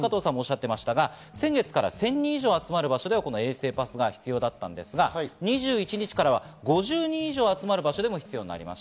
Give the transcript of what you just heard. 先月から１０００人以上、集まる場所では衛生パスが必要だったんですが、２１日からは５０人以上集まる場所でも必要になります。